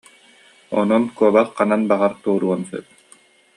Онон куобах ханан баҕарар туоруон сөп